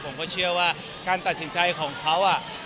ผมก็เชื่อว่าการตัดสินใจของเขา